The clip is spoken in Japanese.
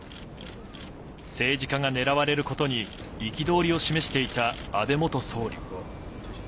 政治家が狙われることに憤りを示していた安倍元総理。